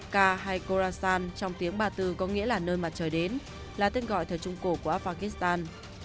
kar hay khorasan trong tiếng ba tư có nghĩa là nơi mà trời đến là tên gọi thời trung cổ của afghanistan